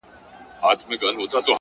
هره تجربه د فکر نوی اړخ جوړوي!